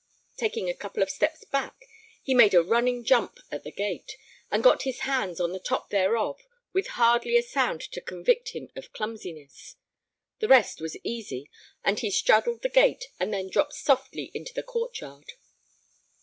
Taking a couple of steps back, he made a running jump at the gate, and got his hands on the top thereof with hardly a sound to convict him of clumsiness. The rest was easy, and he straddled the gate and then dropped softly into the court yard.